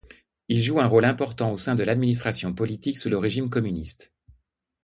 Il joue un rôle important au sein de l'administration politique sous le régime communiste.